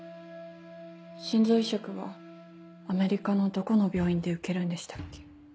心臓移植はアメリカのどこの病院で受けるんでしたっけ？